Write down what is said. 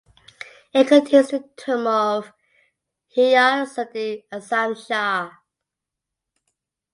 It contains the tomb of Ghiyasuddin Azam Shah.